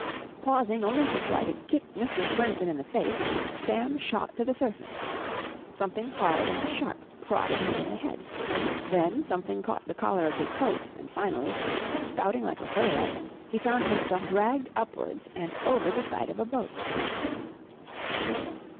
Pausing only to try to kick Mr. Swenson in the face, Sam shot to the surface. Something hard and sharp prodded him in the head. Then something caught the collar of his coat; and, finally, spouting like a whale, he found himself dragged upwards and over the side of a boat.